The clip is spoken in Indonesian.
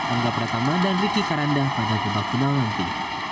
angga pratama dan ricky karanda pada gebak final nanti